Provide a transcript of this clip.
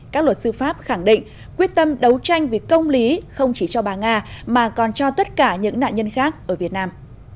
các luật sư pháp khẳng định quyết tâm đấu tranh vì công lý không chỉ cho bà nga mà còn cho tất cả những nạn nhân khác ở việt nam